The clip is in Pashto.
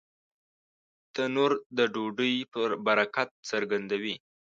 تنور د ډوډۍ برکت څرګندوي